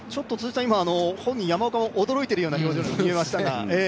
本人、山岡も驚いているような表情でしたが。